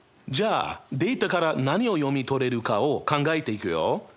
じゃあデータから何を読み取れるかを考えていくよ。